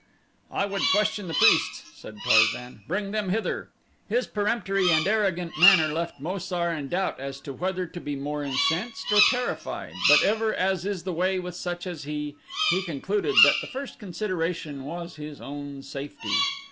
"I would question the priests," said Tarzan. "Bring them hither." His peremptory and arrogant manner left Mo sar in doubt as to whether to be more incensed, or terrified, but ever as is the way with such as he, he concluded that the first consideration was his own safety.